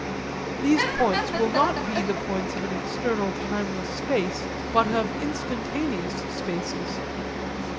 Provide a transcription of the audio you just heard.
These points will not be the points of an external timeless space but of instantaneous spaces.